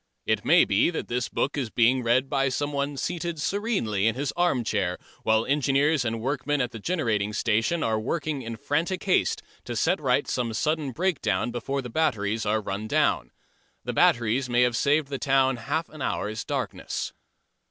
It may be that this book is being read by someone seated serenely in his arm chair while engineers and workmen at the generating station are working in frantic haste to set right some sudden breakdown before the batteries are run down. The batteries may have saved the town half an hour's darkness.